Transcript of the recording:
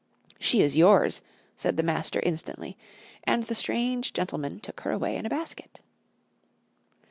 "She is yours," said the master instantly; and the strange gentleman took her away in a basket.